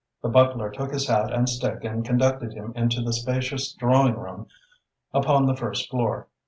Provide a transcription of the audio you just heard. The butler took his hat and stick and conducted him into the spacious drawing room upon the first floor.